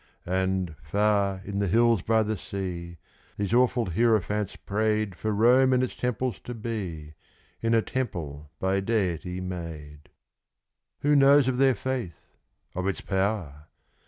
And, far in the hills by the sea, these awful hierophants prayed For Rome and its temples to be in a temple by Deity made. Who knows of their faith of its power?